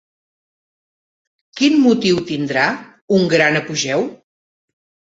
Quin motiu tindrà un gran apogeu?